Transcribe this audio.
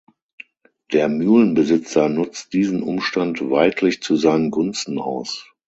Der Mühlenbesitzer nutzt diesen Umstand weidlich zu seinen Gunsten aus.